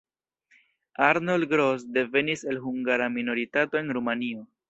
Arnold Gross devenis el hungara minoritato en Rumanio.